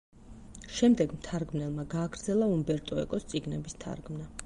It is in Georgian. შემდეგ მთარგმნელმა გააგრძელა უმბერტო ეკოს წიგნების თარგმნა.